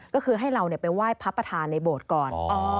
ก็คือให้เราไปไหว้พระประธานในโบสถ์ก่อน